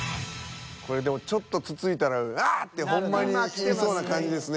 これでもちょっとつついたらわぁ！ってほんまに言いそうな感じですね